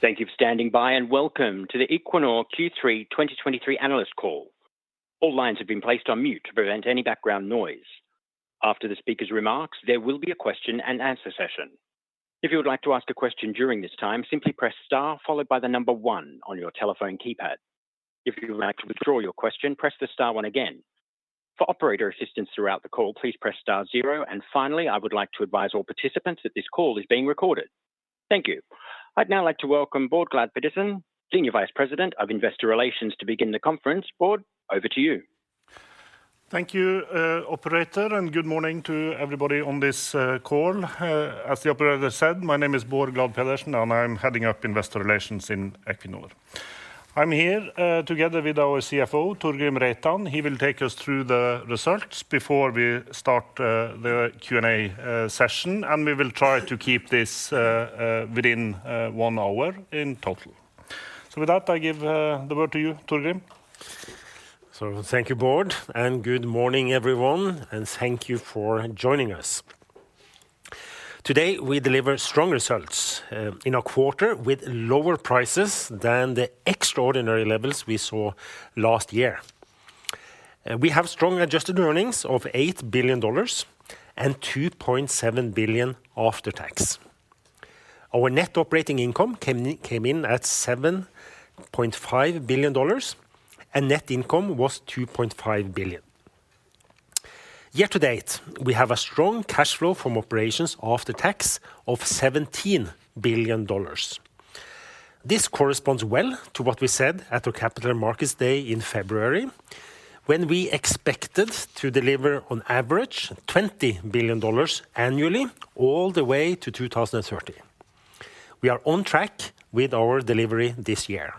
Thank you for standing by, and welcome to the Equinor Q3 2023 Analyst call. All lines have been placed on mute to prevent any background noise. After the speaker's remarks, there will be a question and answer session. If you would like to ask a question during this time, simply press star followed by the number one on your telephone keypad. If you would like to withdraw your question, press the star one again. For Operator assistance throughout the call, please press star zero, and finally, I would like to advise all participants that this call is being recorded. Thank you. I'd now like to welcome Bård Glad Pedersen, Senior Vice President of Investor Relations, to begin the conference. Bård, over to you. Thank you, Operator, and good morning to everybody on this call. As the Operator said, my name is Bård Glad Pedersen, and I'm heading up Investor Relations in Equinor. I'm here together with our CFO, Torgrim Reitan. He will take us through the results before we start the Q&A session, and we will try to keep this within one hour in total. So with that, I give the word to you, Torgrim. So thank you, Bård, and good morning, everyone, and thank you for joining us. Today, we deliver strong results in a quarter with lower prices than the extraordinary levels we saw last year. We have strong adjusted earnings of $8 billion and $2.7 billion after tax. Our net operating income came in at $7.5 billion, and net income was $2.5 billion. Year to date, we have a strong cash flow from operations after tax of $17 billion. This corresponds well to what we said at our Capital Markets Day in February, when we expected to deliver on average $20 billion annually all the way to 2030. We are on track with our delivery this year.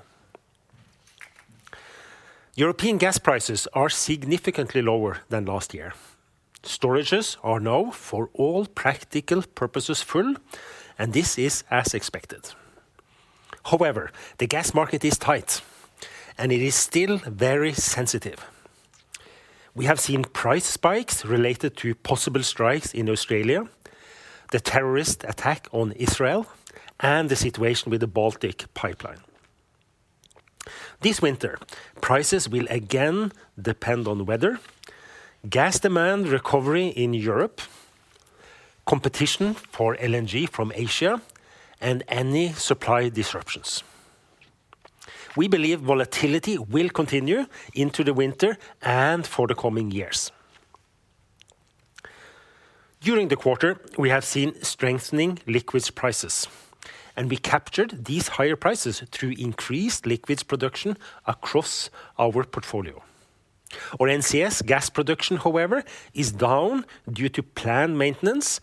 European gas prices are significantly lower than last year. Storages are now, for all practical purposes, full, and this is as expected. However, the gas market is tight, and it is still very sensitive. We have seen price spikes related to possible strikes in Australia, the terrorist attack on Israel, and the situation with the Baltic Pipeline. This winter, prices will again depend on weather, gas demand recovery in Europe, competition for LNG from Asia, and any supply disruptions. We believe volatility will continue into the winter and for the coming years. During the quarter, we have seen strengthening liquids prices, and we captured these higher prices through increased liquids production across our portfolio. Our NCS gas production, however, is down due to planned maintenance,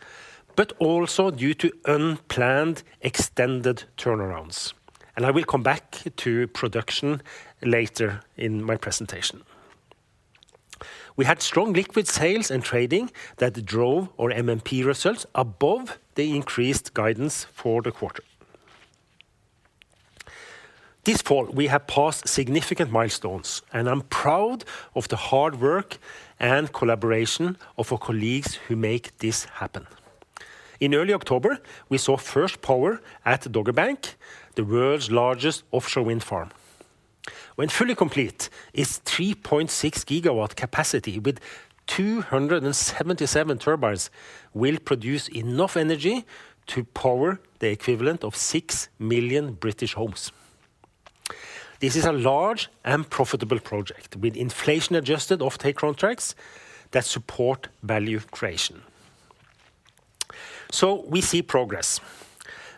but also due to unplanned, extended turnarounds, and I will come back to production later in my presentation. We had strong liquid sales and trading that drove our MMP results above the increased guidance for the quarter. This fall, we have passed significant milestones, and I'm proud of the hard work and collaboration of our colleagues who make this happen. In early October, we saw first power at Dogger Bank, the world's largest offshore wind farm. When fully complete, its 3.6 GW capacity with 277 turbines will produce enough energy to power the equivalent of 6 million British homes. This is a large and profitable project, with inflation-adjusted offtake contracts that support value creation. So we see progress,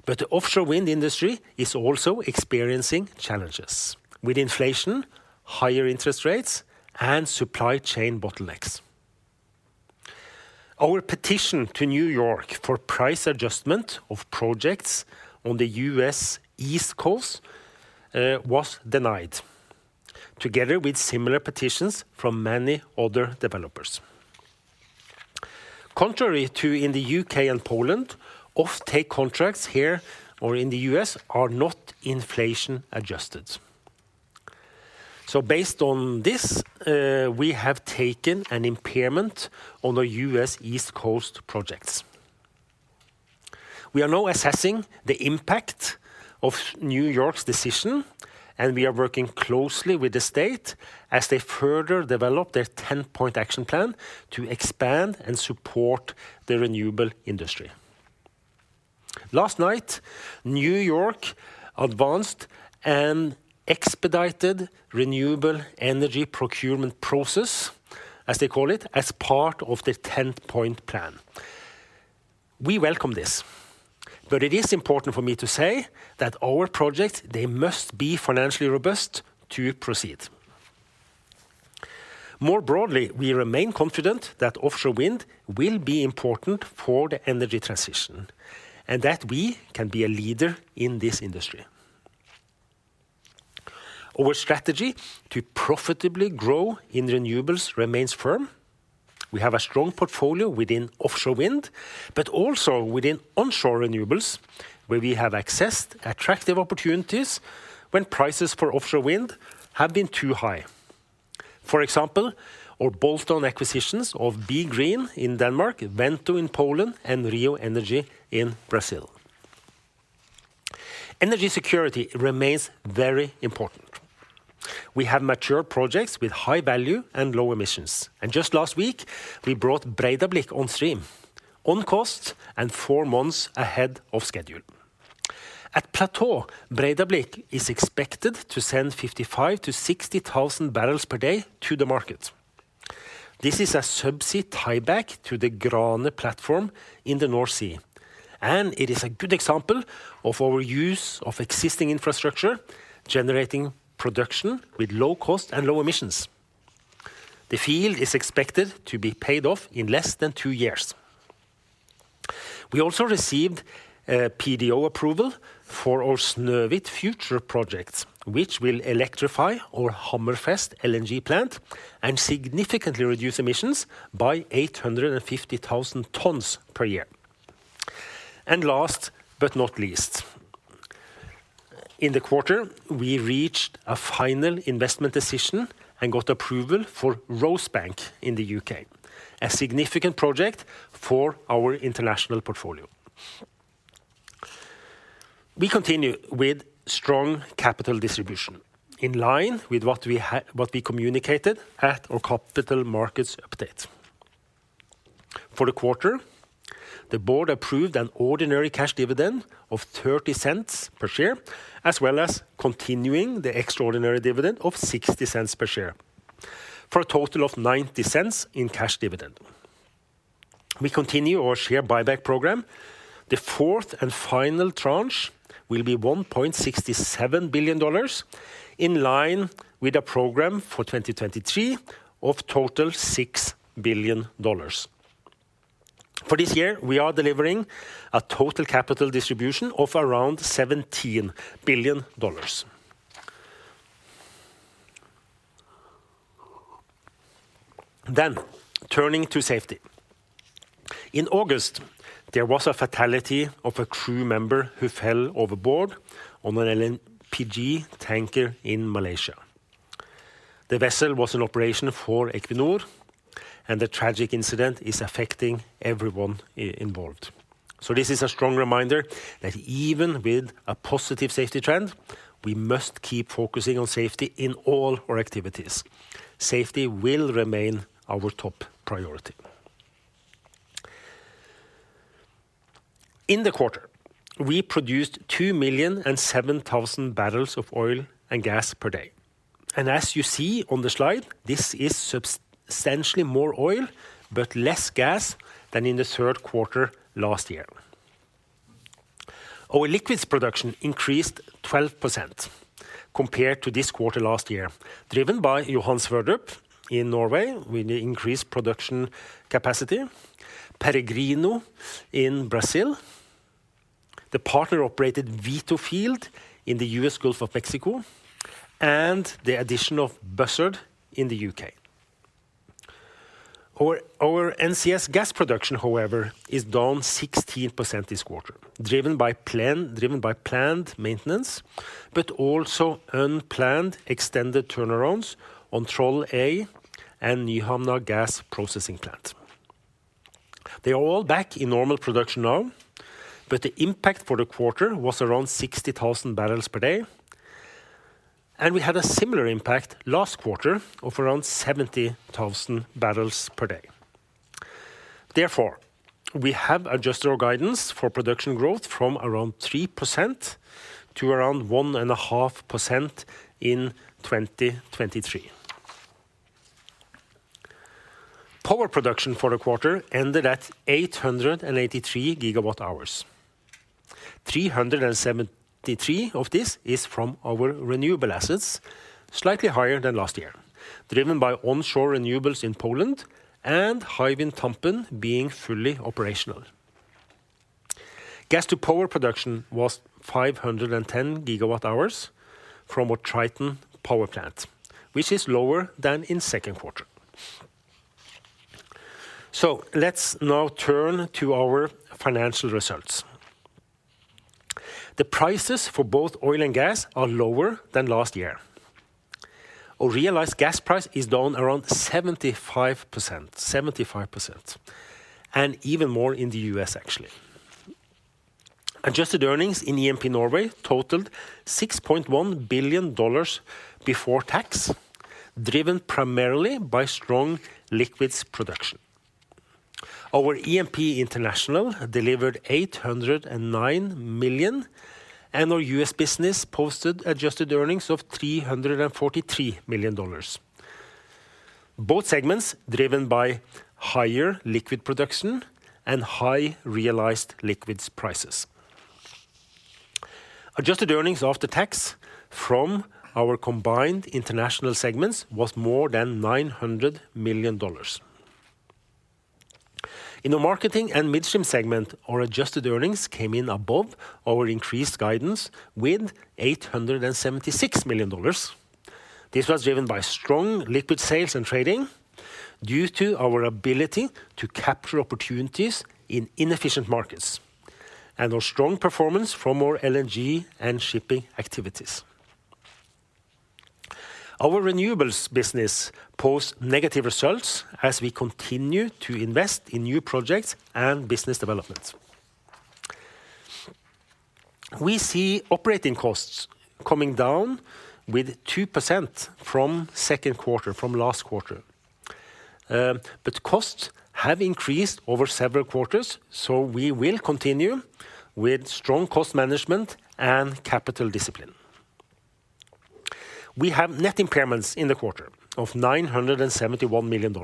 but the offshore wind industry is also experiencing challenges with inflation, higher interest rates, and supply chain bottlenecks. Our petition to New York for price adjustment of projects on the U.S. East Coast was denied, together with similar petitions from many other developers. Contrary to in the UK and Poland, offtake contracts here or in the U.S. are not inflation adjusted. So based on this, we have taken an impairment on the U.S. East Coast projects. We are now assessing the impact of New York's decision, and we are working closely with the state as they further develop their ten-point action plan to expand and support the renewable industry. Last night, New York advanced an expedited renewable energy procurement process, as they call it, as part of the ten-point plan. We welcome this, but it is important for me to say that our projects, they must be financially robust to proceed. More broadly, we remain confident that offshore wind will be important for the energy transition, and that we can be a leader in this industry. Our strategy to profitably grow in renewables remains firm. We have a strong portfolio within offshore wind, but also within onshore renewables, where we have accessed attractive opportunities when prices for offshore wind have been too high... For example, our bolt-on acquisitions of BeGreen in Denmark, Wento in Poland, and Rio Energy in Brazil. Energy security remains very important. We have mature projects with high value and low emissions, and just last week, we brought Breidablikk on stream, on cost and four months ahead of schedule. At plateau, Breidablikk is expected to send 55,000-60,000 barrels per day to the market. This is a subsea tieback to the Grane platform in the North Sea, and it is a good example of our use of existing infrastructure, generating production with low cost and low emissions. The field is expected to be paid off in less than two years. We also received PDO approval for our Snøhvit Future projects, which will electrify our Hammerfest LNG plant and significantly reduce emissions by 850,000 tons per year. Last but not least, in the quarter, we reached a final investment decision and got approval for Rosebank in the U.K., a significant project for our international portfolio. We continue with strong capital distribution in line with what we communicated at our capital markets update. For the quarter, the board approved an ordinary cash dividend of $0.30 per share, as well as continuing the extraordinary dividend of $0.60 per share, for a total of $0.90 in cash dividend. We continue our share buyback program. The fourth and final tranche will be $1.67 billion, in line with the program for 2023 of total $6 billion. For this year, we are delivering a total capital distribution of around $17 billion. Then, turning to safety. In August, there was a fatality of a crew member who fell overboard on an LPG tanker in Malaysia. The vessel was in operation for Equinor, and the tragic incident is affecting everyone involved. So this is a strong reminder that even with a positive safety trend, we must keep focusing on safety in all our activities. Safety will remain our top priority. In the quarter, we produced 2,007,000 barrels of oil and gas per day. And as you see on the slide, this is substantially more oil, but less gas than in the third quarter last year. Our liquids production increased 12% compared to this quarter last year, driven by Johan Sverdrup in Norway, with increased production capacity, Peregrino in Brazil, the partner-operated Vito field in the U.S. Gulf of Mexico, and the addition of Buzzard in the U.K.. Our NCS gas production, however, is down 16% this quarter, driven by planned maintenance, but also unplanned extended turnarounds on Troll A and Nyhamna gas processing plant. They are all back in normal production now, but the impact for the quarter was around 60,000 barrels per day, and we had a similar impact last quarter of around 70,000 barrels per day. Therefore, we have adjusted our guidance for production growth from around 3% to around 1.5% in 2023. Power production for the quarter ended at 883 GWh. 373 of this is from our renewable assets, slightly higher than last year, driven by onshore renewables in Poland and Hywind Tampen being fully operational. Gas to power production was 510 GWh from our Triton power plant, which is lower than in second quarter. So let's now turn to our financial results. The prices for both oil and gas are lower than last year. Our realized gas price is down around 75%, 75%, and even more in the U.S., actually. Adjusted earnings in EMP Norway totaled $6.1 billion before tax, driven primarily by strong liquids production. Our EMP International delivered $809 million, and our U.S. business posted adjusted earnings of $343 million. Both segments driven by higher liquid production and high realized liquids prices. Adjusted earnings after tax from our combined international segments was more than $900 million. In the marketing and midstream segment, our adjusted earnings came in above our increased guidance with $876 million. This was driven by strong liquid sales and trading due to our ability to capture opportunities in inefficient markets... and our strong performance from our LNG and shipping activities. Our renewables business post negative results as we continue to invest in new projects and business development. We see operating costs coming down with 2% from second quarter, from last quarter, but costs have increased over several quarters, so we will continue with strong cost management and capital discipline. We have net impairments in the quarter of $971 million.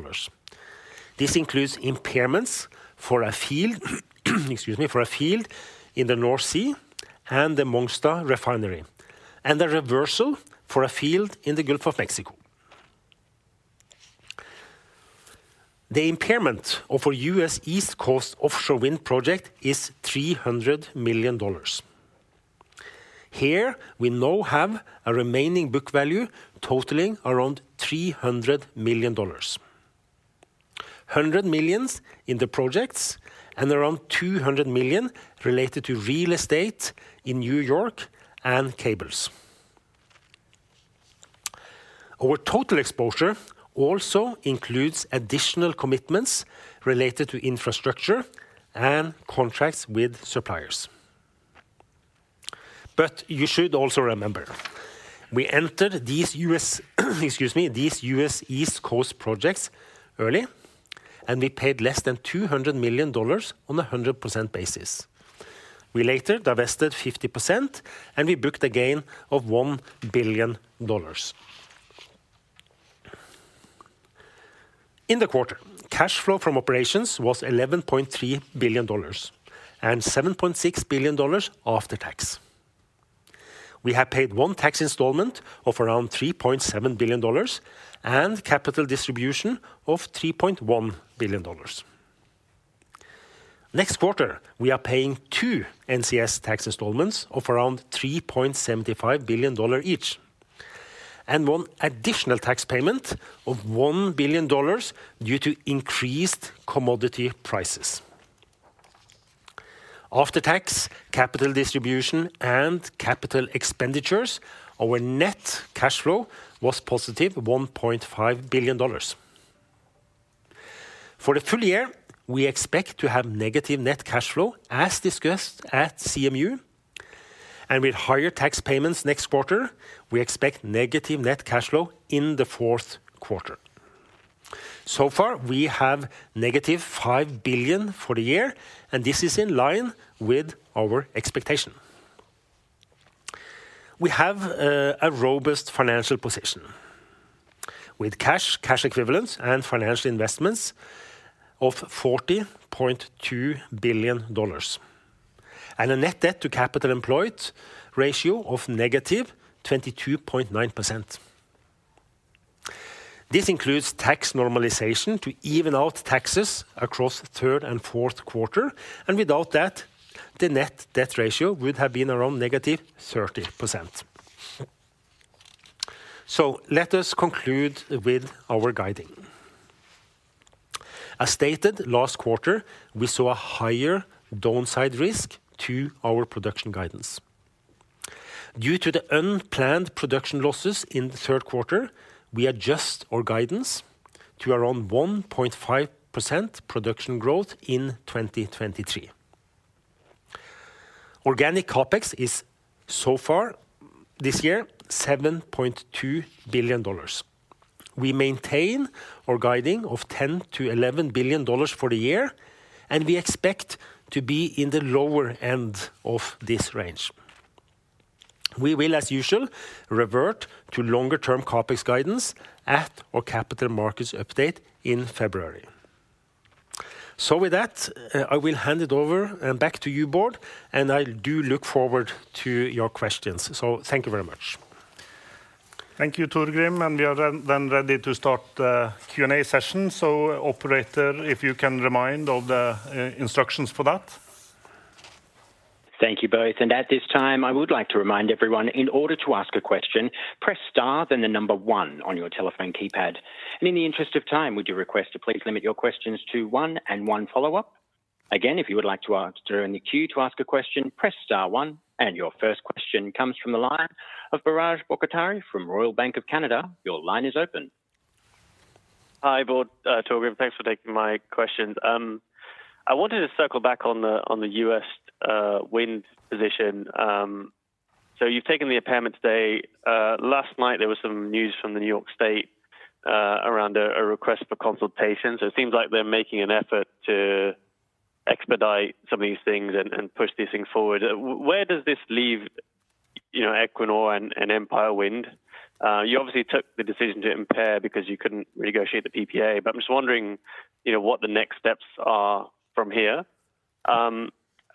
This includes impairments for a field, excuse me, for a field in the North Sea and the Mongstad Refinery, and the reversal for a field in the Gulf of Mexico. The impairment of our U.S. East Coast offshore wind project is $300 million. Here, we now have a remaining book value totaling around $300 million. $100 million in the projects and around $200 million related to real estate in New York and cables. Our total exposure also includes additional commitments related to infrastructure and contracts with suppliers. But you should also remember, we entered these U.S., excuse me, these U.S. East Coast projects early, and we paid less than $200 million on a 100% basis. We later divested 50%, and we booked a gain of $1 billion. In the quarter, cash flow from operations was $11.3 billion and $7.6 billion after tax. We have paid one tax installment of around $3.7 billion and capital distribution of $3.1 billion. Next quarter, we are paying two NCS tax installments of around $3.75 billion each, and one additional tax payment of $1 billion due to increased commodity prices. After tax, capital distribution, and capital expenditures, our net cash flow was positive $1.5 billion. For the full year, we expect to have negative net cash flow, as discussed at CMU, and with higher tax payments next quarter, we expect negative net cash flow in the fourth quarter. So far, we have -$5 billion for the year, and this is in line with our expectation. We have a robust financial position with cash, cash equivalents, and financial investments of $40.2 billion, and a net debt to capital employed ratio of -22.9%. This includes tax normalization to even out taxes across the third and fourth quarter, and without that, the net debt ratio would have been around -30%. So let us conclude with our guiding. As stated last quarter, we saw a higher downside risk to our production guidance. Due to the unplanned production losses in the third quarter, we adjust our guidance to around 1.5% production growth in 2023. Organic CapEx is, so far this year, $7.2 billion. We maintain our guiding of $10 billion-$11 billion for the year, and we expect to be in the lower end of this range. We will, as usual, revert to longer-term CapEx guidance at our capital markets update in February. So with that, I will hand it over back to you, Bård, and I do look forward to your questions. So thank you very much. Thank you, Torgrim, and we are then ready to start the Q&A session. So Operator, if you can remind of the instructions for that. Thank you both, and at this time, I would like to remind everyone, in order to ask a question, press star, then the number one on your telephone keypad. In the interest of time, would you request to please limit your questions to one and one follow-up? Again, if you would like to enter in the queue to ask a question, press star one, and your first question comes from the line of Biraj Borkhataria from Royal Bank of Canada. Your line is open. Hi, Bård, Torgrim. Thanks for taking my questions. I wanted to circle back on the, on the US wind position. So you've taken the impairment today. Last night, there was some news from the New York State around a, a request for consultation. So it seems like they're making an effort to expedite some of these things and, and push these things forward. Where does this leave, you know, Equinor and, and Empire Wind? You obviously took the decision to impair because you couldn't renegotiate the PPA, but I'm just wondering, you know, what the next steps are from here.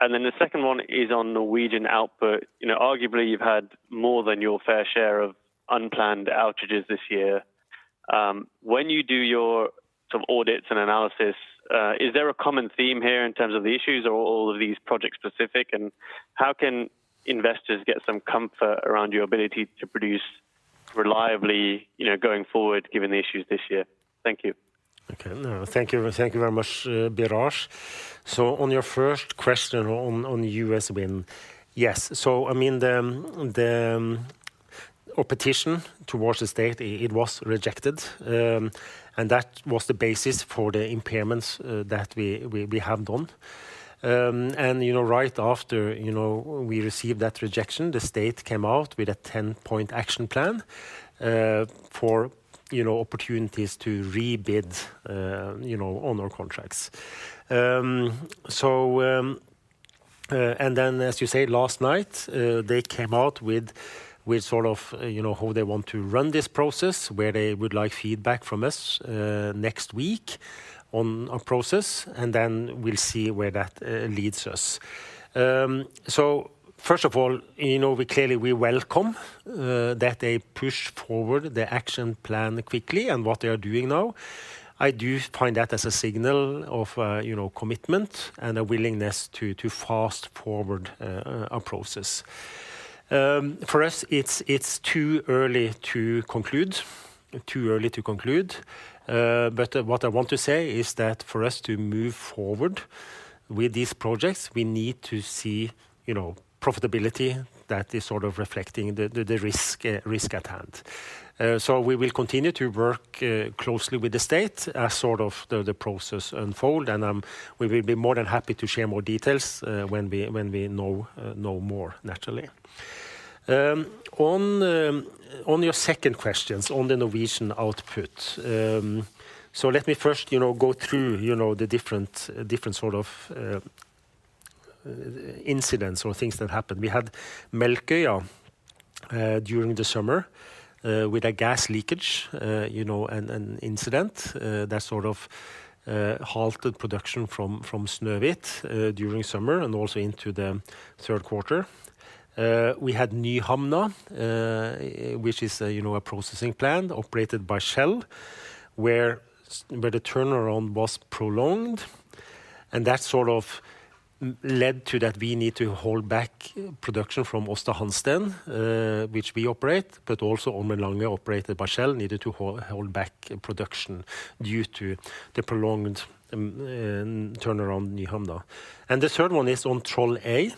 And then the second one is on Norwegian output. You know, arguably, you've had more than your fair share of unplanned outages this year. When you do your sort of audits and analysis, is there a common theme here in terms of the issues, or are all of these project-specific? How can investors get some comfort around your ability to produce reliably, you know, going forward, given the issues this year? Thank you. Okay. Thank you, thank you very much, Biraj. So on your first question on the U.S. wind. Yes. So I mean, the petition towards the state, it was rejected. And that was the basis for the impairments that we have done. And, you know, right after, you know, we received that rejection, the state came out with a 10-point action plan for, you know, opportunities to rebid, you know, on our contracts. So, and then, as you say, last night, they came out with sort of, you know, how they want to run this process, where they would like feedback from us next week on process, and then we'll see where that leads us. So first of all, you know, we clearly welcome that they push forward the action plan quickly and what they are doing now. I do find that as a signal of, you know, commitment and a willingness to fast forward a process. For us, it's too early to conclude. Too early to conclude. But what I want to say is that for us to move forward with these projects, we need to see, you know, profitability that is sort of reflecting the risk at hand. So we will continue to work closely with the state as the process unfolds. And we will be more than happy to share more details when we know more, naturally. On your second questions on the Norwegian output. So let me first, you know, go through, you know, the different, different sort of incidents or things that happened. We had Melkøya during the summer with a gas leakage, you know, and an incident that sort of halted production from Snøhvit during summer and also into the third quarter. We had Nyhamna, which is a, you know, a processing plant operated by Shell, where the turnaround was prolonged, and that sort of led to that we need to hold back production from Aasta Hansteen, which we operate, but also Ormen Lange, operated by Shell, needed to hold back production due to the prolonged turnaround Nyhamna. And the third one is on Troll A,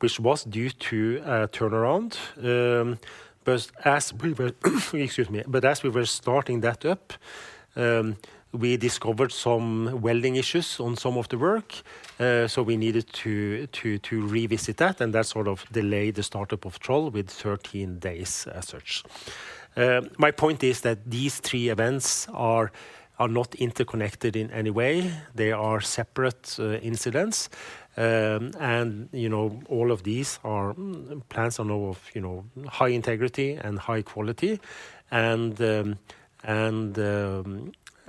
which was due to a turnaround. But as we were, excuse me, but as we were starting that up, we discovered some welding issues on some of the work. So we needed to revisit that, and that sort of delayed the startup of Troll with 13 days as such. My point is that these three events are not interconnected in any way. They are separate incidents. And, you know, all of these are plants on all of, you know, high integrity and high quality.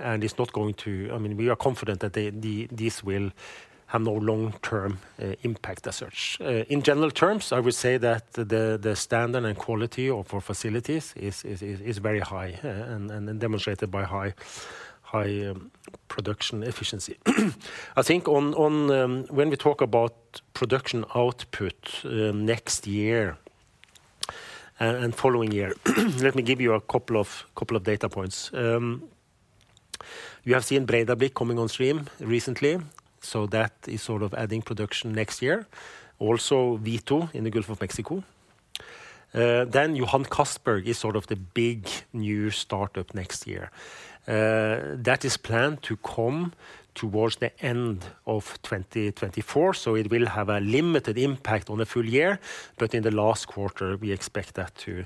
And, and, and it's not going to—I mean, we are confident that the, the, these will have no long-term impact as such. In general terms, I would say that the, the standard and quality of our facilities is, is, is, is very high, and, and demonstrated by high, high production efficiency. I think on, on, when we talk about production output, next year and, and following year, let me give you a couple of, couple of data points. You have seen Breidablikk coming on stream recently, so that is sort of adding production next year. Also, Vito in the Gulf of Mexico. Then Johan Castberg is sort of the big new startup next year. That is planned to come towards the end of 2024, so it will have a limited impact on the full year, but in the last quarter, we expect that to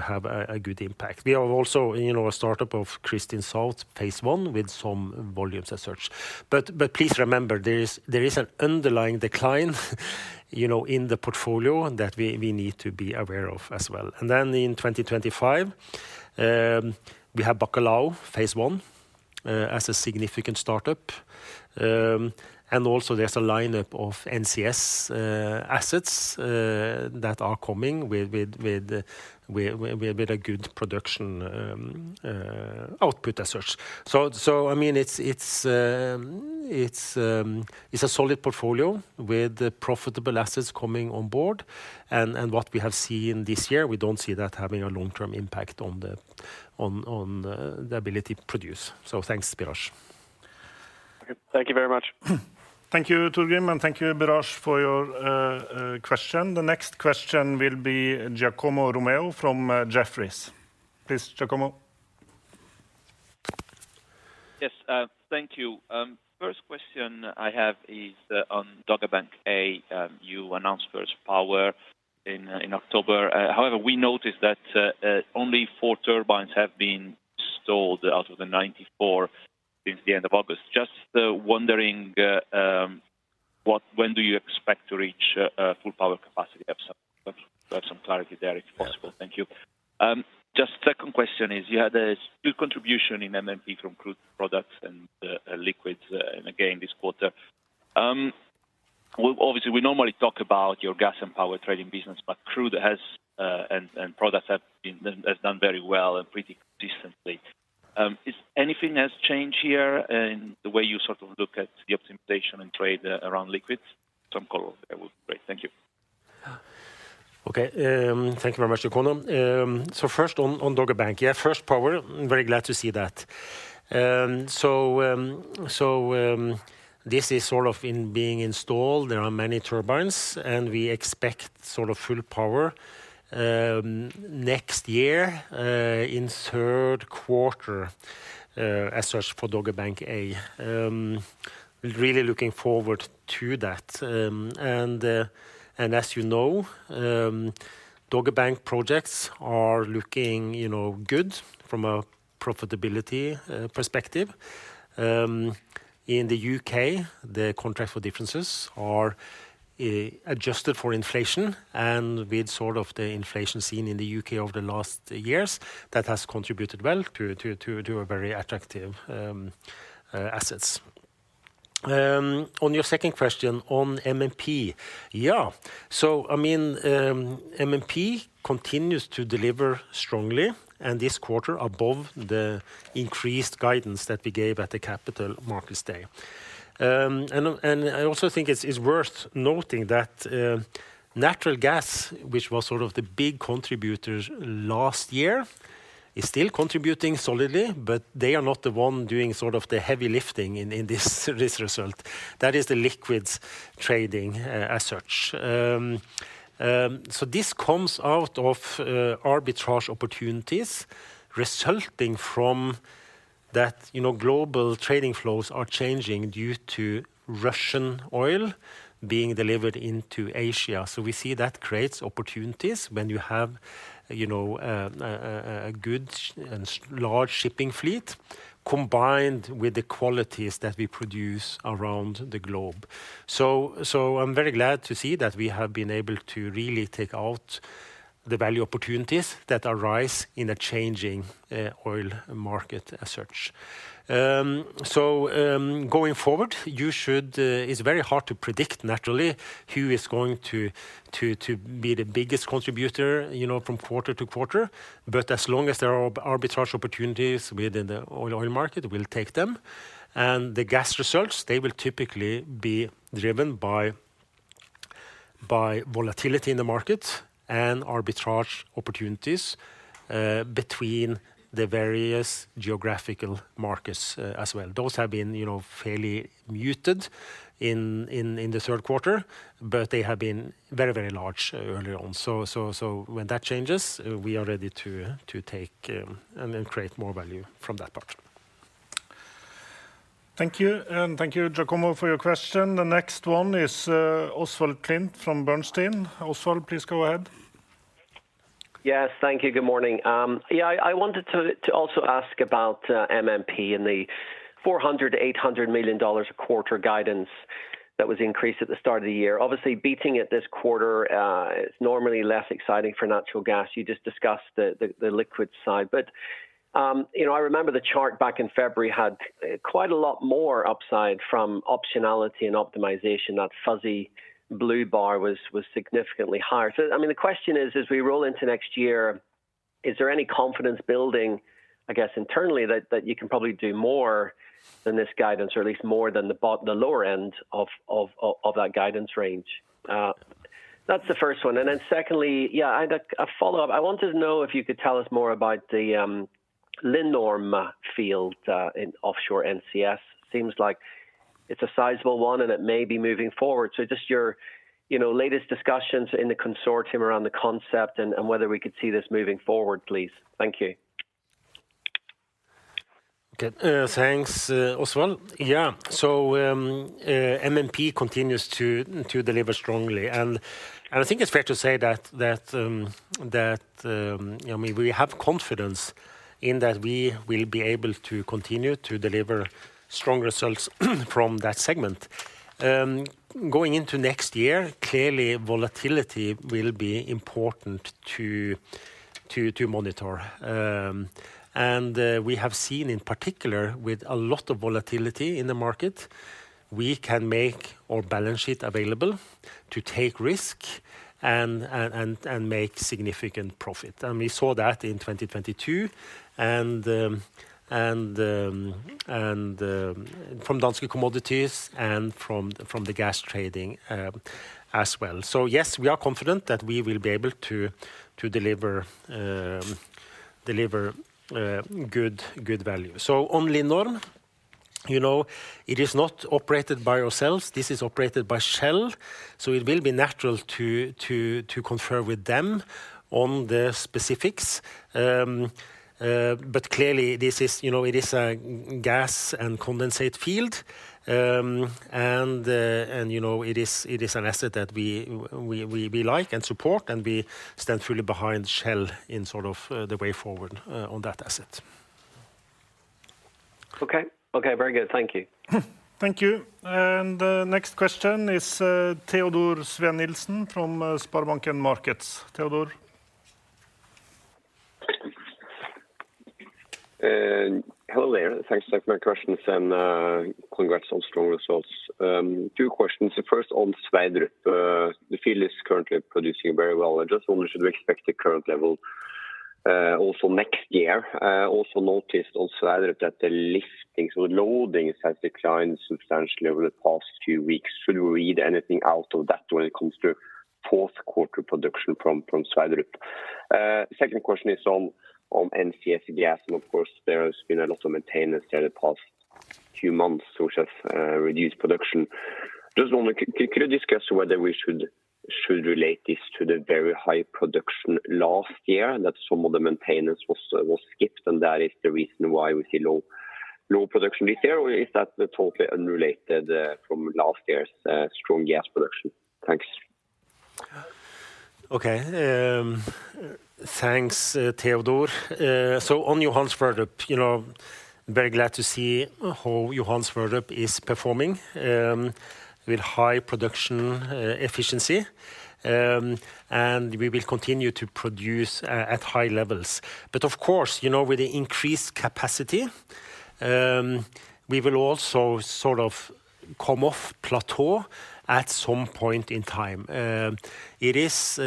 have a good impact. We are also, you know, a startup of Kristin South, phase one, with some volumes as such. But, but please remember, there is, there is an underlying decline, you know, in the portfolio that we, we need to be aware of as well. And then in 2025, we have Bacalhau phase one as a significant startup. And also there's a lineup of NCS assets that are coming with a good production output as such. So I mean, it's a solid portfolio with profitable assets coming on board. And what we have seen this year, we don't see that having a long-term impact on the ability to produce. So thanks, Biraj. Okay. Thank you very much. Thank you, Torgrim, and thank you, Biraj, for your question. The next question will be Giacomo Romeo from Jefferies. Please, Giacomo. Yes, thank you. First question I have is on Dogger Bank A. You announced first power in October. However, we noticed that only 4 turbines have been installed out of the 94 since the end of August. Just wondering, what, when do you expect to reach full power capacity? Have some clarity there, if possible. Thank you. Just second question is, you had a good contribution in MMP from crude products and liquids, and again, this quarter. Well, obviously, we normally talk about your gas and power trading business, but crude has and products have been, has done very well and pretty decently. Is anything has changed here in the way you sort of look at the optimization and trade around liquids? Some color, it would be great. Thank you. Okay, thank you very much, Giacomo. So first on Dogger Bank. Yeah, first power, very glad to see that. So this is sort of in being installed. There are many turbines, and we expect sort of full power next year in third quarter as search for Dogger Bank A. We're really looking forward to that. And as you know, Dogger Bank projects are looking, you know, good from a profitability perspective. In the U.K., the contract for differences are adjusted for inflation, and with sort of the inflation seen in the U.K. over the last years, that has contributed well to a very attractive assets. On your second question on MMP. Yeah, so I mean, MMP continues to deliver strongly, and this quarter above the increased guidance that we gave at the Capital Markets Day. And I also think it's worth noting that natural gas, which was sort of the big contributor last year, is still contributing solidly, but they are not the one doing sort of the heavy lifting in this result. That is the liquids trading, as such. So this comes out of arbitrage opportunities resulting from that, you know, global trading flows are changing due to Russian oil being delivered into Asia. So we see that creates opportunities when you have, you know, a good and large shipping fleet, combined with the qualities that we produce around the globe. So I'm very glad to see that we have been able to really take out the value opportunities that arise in a changing oil market as such. So going forward, you should. It's very hard to predict naturally who is going to be the biggest contributor, you know, from quarter to quarter. But as long as there are arbitrage opportunities within the oil market, we'll take them. And the gas results, they will typically be driven by volatility in the market and arbitrage opportunities between the various geographical markets as well. Those have been, you know, fairly muted in the third quarter, but they have been very, very large earlier on. So when that changes, we are ready to take and then create more value from that part. Thank you, and thank you, Giacomo, for your question. The next one is, Oswald Clint from Bernstein. Oswald, please go ahead. Yes, thank you. Good morning. Yeah, I wanted to also ask about MMP and the $400 million-$800 million a quarter guidance that was increased at the start of the year. Obviously, beating it this quarter is normally less exciting for natural gas. You just discussed the liquid side, but you know, I remember the chart back in February had quite a lot more upside from optionality and optimization. That fuzzy blue bar was significantly higher. So, I mean, the question is, as we roll into next year, is there any confidence building, I guess, internally that you can probably do more than this guidance, or at least more than the lower end of that guidance range? That's the first one. And then secondly, yeah, I had a follow-up. I wanted to know if you could tell us more about the Linnorm field in offshore NCS. Seems like it's a sizable one, and it may be moving forward. So just your, you know, latest discussions in the consortium around the concept and whether we could see this moving forward, please. Thank you. Good. Thanks, Oswald. Yeah. So, MMP continues to deliver strongly. And I think it's fair to say that, you know, I mean, we have confidence in that we will be able to continue to deliver strong results from that segment. Going into next year, clearly volatility will be important to monitor. And we have seen in particular, with a lot of volatility in the market, we can make our balance sheet available to take risk and make significant profit. And we saw that in 2022 and from Danske Commodities and from the gas trading as well. So yes, we are confident that we will be able to deliver good value. So on Linnorm, you know, it is not operated by ourselves. This is operated by Shell, so it will be natural to confer with them on the specifics. But clearly, this is, you know, it is a gas and condensate field. And, you know, it is an asset that we like and support, and we stand fully behind Shell in sort of the way forward on that asset. Okay. Okay, very good. Thank you. Thank you. And the next question is, Teodor Sveen-Nilsen from SpareBank 1 Markets. Teodor? Hello there. Thanks for taking my questions, and congrats on strong results. Two questions. The first on Sverdrup. The field is currently producing very well. I just wonder, should we expect the current level-... also next year, also noticed also that the liftings or loadings has declined substantially over the past few weeks. Should we read anything out of that when it comes to fourth quarter production from Sverdrup? Second question is on NCS gas, and of course, there has been a lot of maintenance there the past few months, which has reduced production. Just wondering, could you discuss whether we should, should relate this to the very high production last year, that some of the maintenance was skipped, and that is the reason why we see low, low production this year? Or is that totally unrelated from last year's strong gas production? Thanks. Okay, thanks, Teodor. So on Johan Sverdrup, you know, very glad to see how Johan Sverdrup is performing with high production efficiency. And we will continue to produce at high levels. But of course, you know, with the increased capacity, we will also sort of come off plateau at some point in time. It is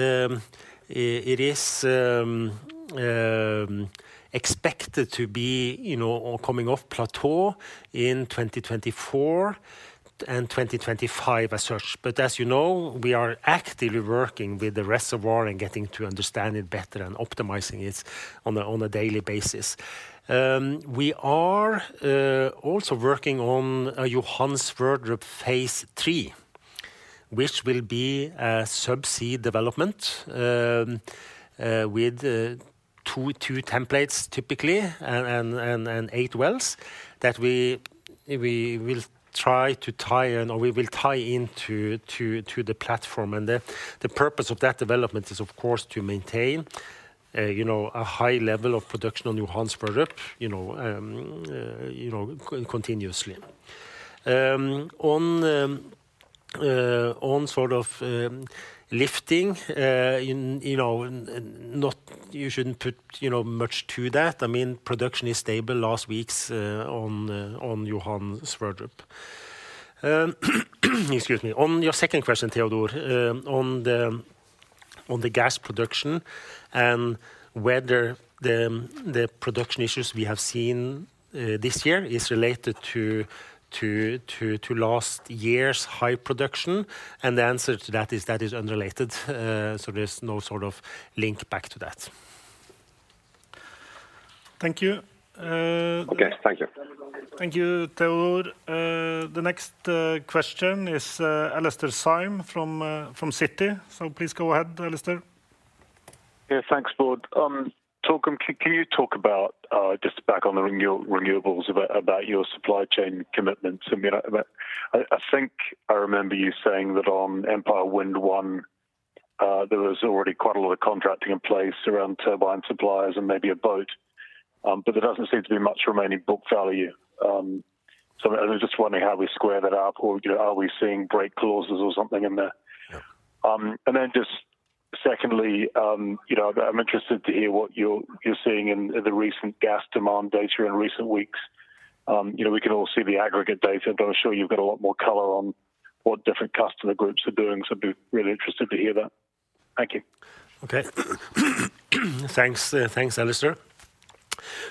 expected to be, you know, or coming off plateau in 2024 and 2025 as such. But as you know, we are actively working with the reservoir and getting to understand it better and optimizing it on a daily basis. We are also working on a Johan Sverdrup phase lll, which will be a subsea development, with two templates, typically, and 8 wells that we will try to tie in or we will tie into the platform. The purpose of that development is, of course, to maintain, you know, a high level of production on Johan Sverdrup, you know, continuously. On sort of lifting in, you know, and not you shouldn't put, you know, much to that. I mean, production is stable last weeks on Johan Sverdrup. Excuse me. On your second question, Teodor, on the gas production and whether the production issues we have seen this year is related to last year's high production, and the answer to that is that is unrelated. So there's no sort of link back to that. Thank you, Okay, thank you. Thank you, Theodore. The next question is, Alastair Syme from Citi. So please go ahead, Alastair. Yeah, thanks, Bård. Torgrim, can you talk about just back on the renewables, about your supply chain commitments? I mean, I think I remember you saying that on Empire Wind One, there was already quite a lot of contracting in place around turbine suppliers and maybe a boat. But there doesn't seem to be much remaining book value. So I was just wondering how we square that up or, you know, are we seeing break clauses or something in there? And then just secondly, you know, I'm interested to hear what you're seeing in the recent gas demand data in recent weeks. You know, we can all see the aggregate data, but I'm sure you've got a lot more color on what different customer groups are doing, so I'd be really interested to hear that. Thank you. Okay. Thanks. Thanks, Alastair.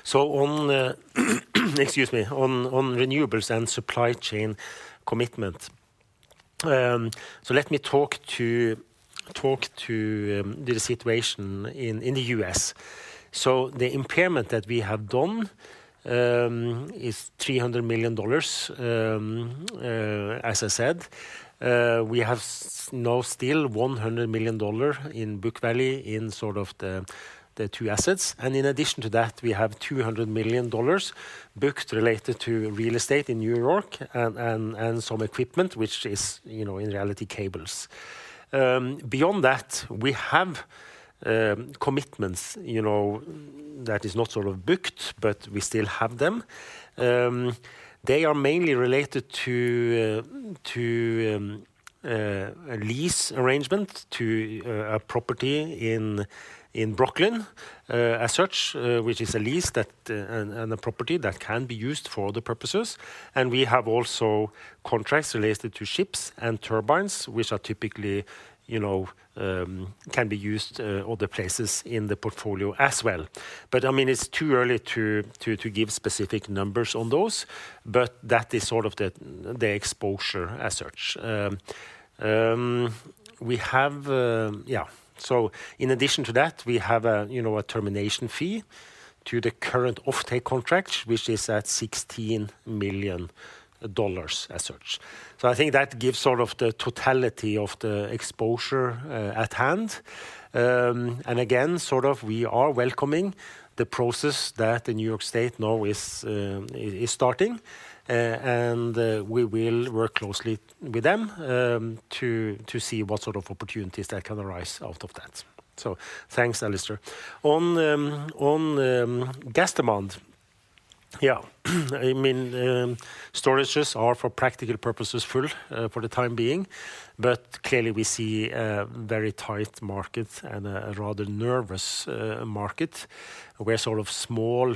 So on renewables and supply chain commitment. Excuse me, on renewables and supply chain commitment. So let me talk to the situation in the U.S. So the impairment that we have done is $300 million. As I said, we have now still $100 million in book value in sort of the two assets. And in addition to that, we have $200 million booked related to real estate in New York and some equipment, which is, you know, in reality, cables. Beyond that, we have commitments, you know, that is not sort of booked, but we still have them. They are mainly related to a lease arrangement to a property in Brooklyn, as such, which is a lease that and a property that can be used for other purposes. And we have also contracts related to ships and turbines, which are typically, you know, can be used other places in the portfolio as well. But, I mean, it's too early to give specific numbers on those, but that is sort of the exposure as such. So in addition to that, we have a, you know, a termination fee to the current offtake contract, which is at $16 million as such. So I think that gives sort of the totality of the exposure at hand. And again, sort of we are welcoming the process that the New York State now is starting, and we will work closely with them to see what sort of opportunities that can arise out of that. So thanks, Alastair. On the gas demand. Yeah. I mean, storages are, for practical purposes, full for the time being, but clearly we see a very tight market and a rather nervous market, where sort of small,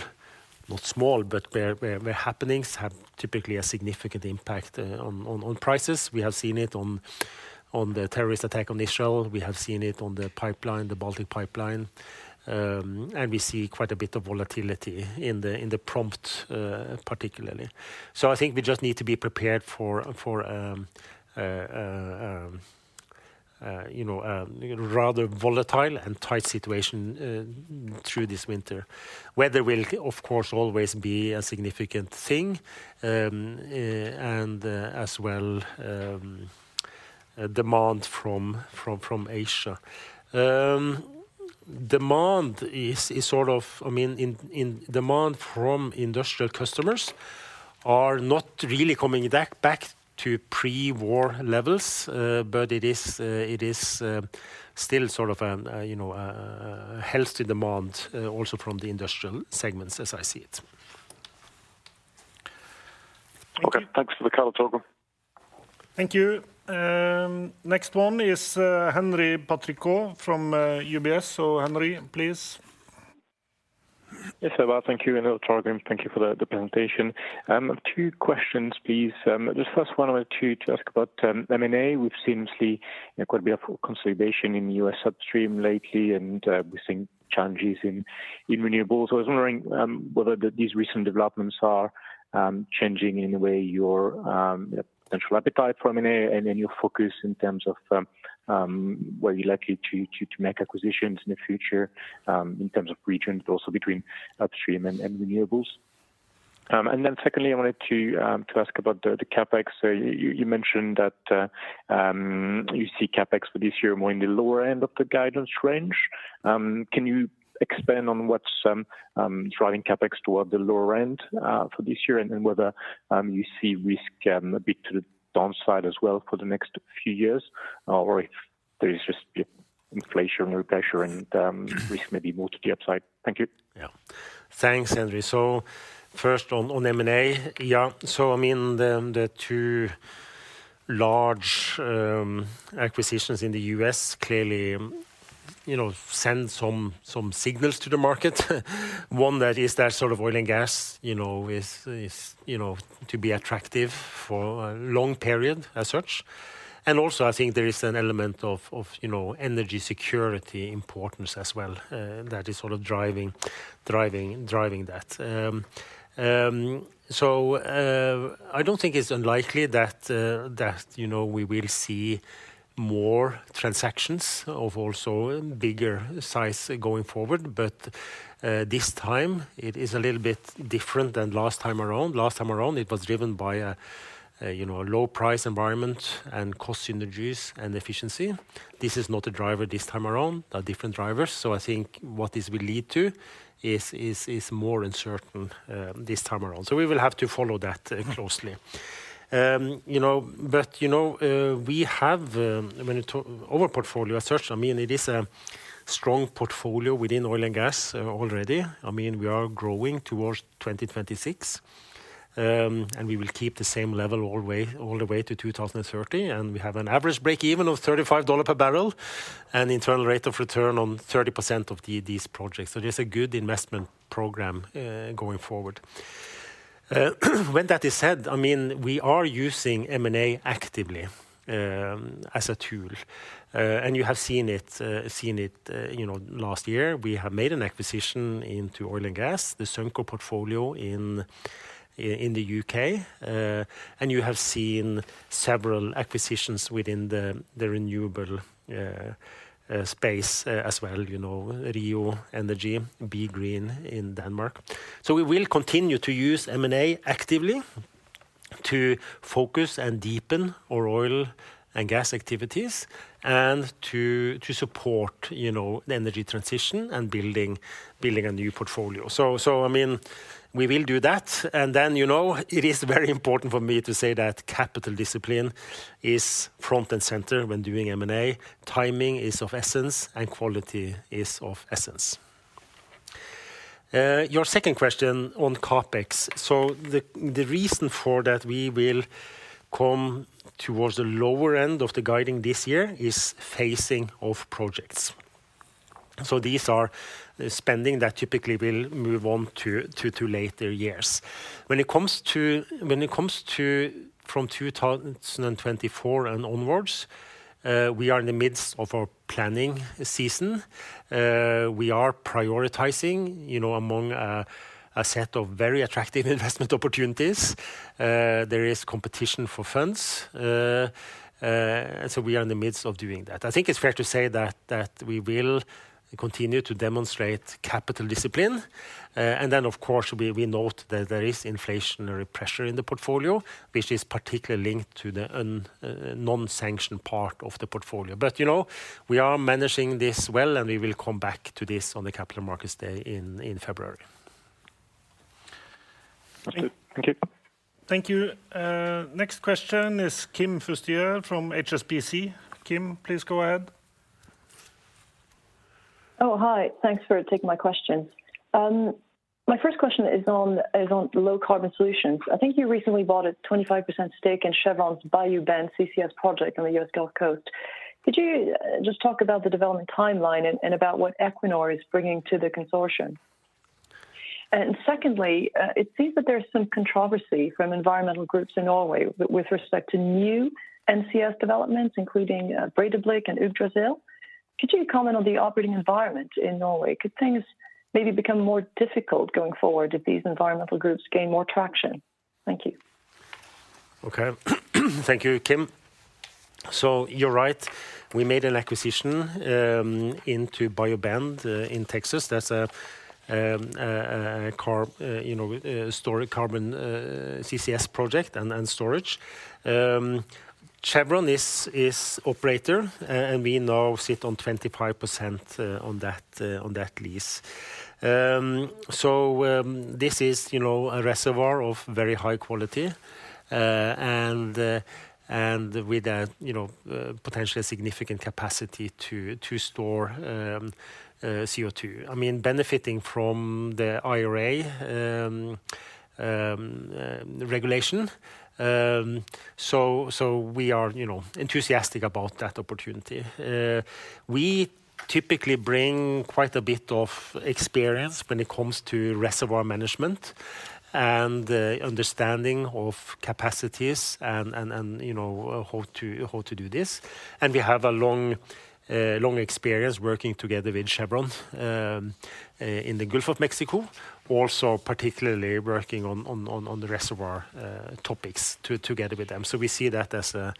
not small, but where happenings have typically a significant impact on prices. We have seen it on the terrorist attack on Israel. We have seen it on the pipeline, the Baltic Pipeline, and we see quite a bit of volatility in the prompt, particularly. So I think we just need to be prepared for you know, a rather volatile and tight situation through this winter. Weather will, of course, always be a significant thing, and as well, demand from Asia. Demand is sort of, I mean, demand from industrial customers are not really coming back to pre-war levels, but it is still sort of you know, healthy demand also from the industrial segments as I see it. Okay, thanks for the call, Torgrim. Thank you. Next one is Henri Patricot from UBS. So Henri, please. Yes, hello. Thank you, and Torgrim, thank you for the presentation. Two questions, please. The first one I want to ask about, M&A. We've seen quite a bit of consolidation in U.S. upstream lately, and we've seen challenges in renewables. So I was wondering, whether these recent developments are changing in a way your potential appetite for M&A, and then your focus in terms of, where you're likely to make acquisitions in the future, in terms of region, but also between upstream and renewables. And then secondly, I wanted to ask about the CapEx. So you mentioned that you see CapEx for this year more in the lower end of the guidance range. Can you expand on what's driving CapEx toward the lower end for this year? And then whether you see risk a bit to the downside as well for the next few years, or if there is just inflation pressure and risk maybe more to the upside. Thank you. Yeah. Thanks, Henri. So first on M&A. Yeah, so I mean, the two large acquisitions in the U.S. clearly, you know, send some signals to the market. One, that is that sort of oil and gas, you know, is, you know, to be attractive for a long period as such. And also, I think there is an element of, you know, energy security importance as well, that is sort of driving that. So, I don't think it's unlikely that, you know, we will see more transactions of also bigger size going forward, but this time it is a little bit different than last time around. Last time around, it was driven by a low price environment and cost synergies and efficiency. This is not a driver this time around. They are different drivers. So I think what this will lead to is more uncertain this time around. So we will have to follow that closely. You know, but you know, we have our portfolio as such. I mean, it is a strong portfolio within oil and gas already. I mean, we are growing towards 2026. And we will keep the same level all the way, all the way to 2030, and we have an average break even of $35 per barrel, and internal rate of return on 30% of these projects. So there's a good investment program going forward. When that is said, I mean, we are using M&A actively as a tool. And you have seen it seen it you know, last year. We have made an acquisition into oil and gas, the Suncor portfolio in the U.K. And you have seen several acquisitions within the renewable space, as well, you know, Rio Energy, BeGreen in Denmark. So we will continue to use M&A actively to focus and deepen our oil and gas activities and to support, you know, the energy transition and building a new portfolio. So I mean, we will do that. And then, you know, it is very important for me to say that capital discipline is front and center when doing M&A. Timing is of essence, and quality is of essence. Your second question on CapEx. So the reason for that, we will come towards the lower end of the guiding this year is phasing of projects. So these are the spending that typically will move on to later years. When it comes to from 2024 and onwards, we are in the midst of our planning season. We are prioritizing, you know, among a set of very attractive investment opportunities. There is competition for funds, so we are in the midst of doing that. I think it's fair to say that we will continue to demonstrate capital discipline, and then, of course, we note that there is inflationary pressure in the portfolio, which is particularly linked to the non-sanctioned part of the portfolio. But, you know, we are managing this well, and we will come back to this on the Capital Markets Day in February. Thank you. Thank you. Next question is Kim Fustier from HSBC. Kim, please go ahead. Oh, hi, thanks for taking my question. My first question is on low carbon solutions. I think you recently bought a 25% stake in Chevron's Bayou Bend CCS project on the U.S. Gulf Coast. Could you just talk about the development timeline and about what Equinor is bringing to the consortium? And secondly, it seems that there's some controversy from environmental groups in Norway with respect to new NCS developments, including Breidablikk and Yggdrasil. Could you comment on the operating environment in Norway? Could things maybe become more difficult going forward if these environmental groups gain more traction? Thank you. Okay. Thank you, Kim. So you're right, we made an acquisition into Bayou Bend in Texas. That's a carbon storage CCS project and storage. Chevron is Operator, and we now sit on 25% on that on that lease. So this is you know a reservoir of very high quality and and with a you know potentially significant capacity to to store CO2. I mean, benefiting from the IRA regulation. So so we are you know enthusiastic about that opportunity. We typically bring quite a bit of experience when it comes to reservoir management and understanding of capacities and and and you know how to how to do this. We have a long, long experience working together with Chevron in the Gulf of Mexico, also particularly working on the reservoir topics together with them. So we see that as a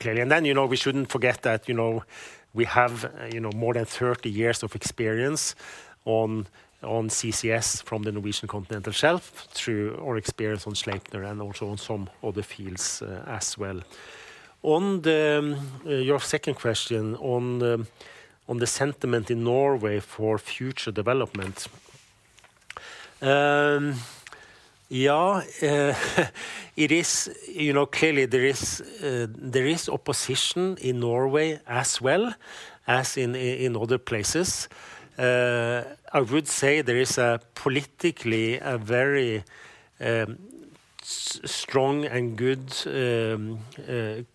clearly... And then, you know, we shouldn't forget that, you know, we have, you know, more than 30 years of experience on CCS from the Norwegian Continental Shelf through our experience on Sleipner and also on some other fields, as well. On your second question on the sentiment in Norway for future development. Yeah, it is, you know, clearly there is opposition in Norway as well as in other places. I would say there is a politically a very strong and good